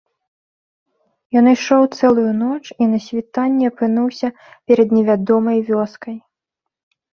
Ён ішоў цэлую ноч і на світанні апынуўся перад невядомай вёскай.